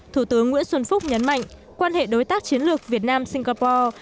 thủ tướng nguyễn xuân phúc nhấn mạnh quan hệ đối tác chiến lược việt nam singapore